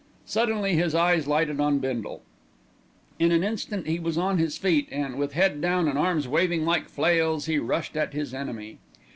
Suddenly his eyes lighted on Bindle. In an instant he was on his feet and, with head down and arms waving like flails, he rushed at his enemy.